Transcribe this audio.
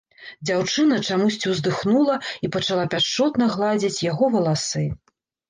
Дзяўчына чамусьці ўздыхнула і пачала пяшчотна гладзіць яго валасы.